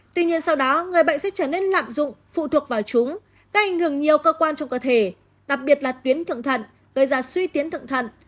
tuy nhiên sau đó người bệnh sẽ trở nên lạm dụng phụ thuộc vào chúng gây ảnh hưởng nhiều cơ quan trong cơ thể đặc biệt là tuyến thượng thận gây ra suy tiến thượng thận